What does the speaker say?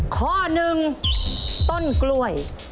ข้อหนึ่งต้นกล้วย